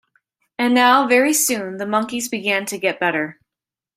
And now very soon the monkeys began to get better.